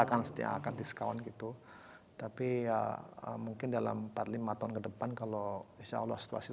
akan setiap akan diskaun gitu tapi ya mungkin dalam empat puluh lima tahun kedepan kalau insyaallah situasi